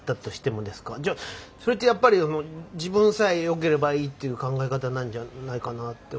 じゃあそれってやっぱり自分さえよければいいっていう考え方なんじゃないかなって。